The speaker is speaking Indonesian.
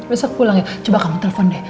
besok pulang ya coba kamu telpon deh